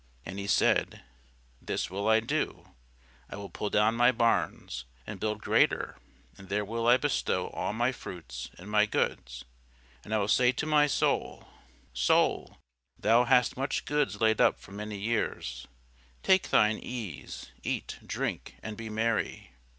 And he said, This will I do: I will pull down my barns, and build greater; and there will I bestow all my fruits and my goods. And I will say to my soul, Soul, thou hast much goods laid up for many years; take thine ease, eat, drink, and be merry.